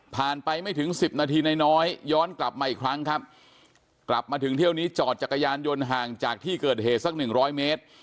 ไปไม่ถึงสิบนาทีนายน้อยย้อนกลับมาอีกครั้งครับกลับมาถึงเที่ยวนี้จอดจักรยานยนต์ห่างจากที่เกิดเหตุสักหนึ่งร้อยเมตร